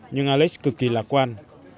nhưng alex cực kỳ lạc quan